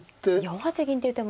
４八銀っていう手も。